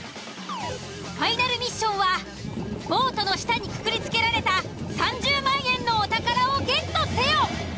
ファイナルミッションはボートの下にくくりつけられた３０万円のお宝をゲットせよ！